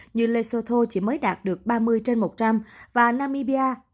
như lêo chỉ mới đạt được ba mươi trên một trăm linh và namibia